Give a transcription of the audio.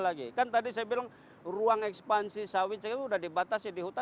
lagi kan tadi saya bilang ruang ekspansi sawit sudah dibatasi di hutan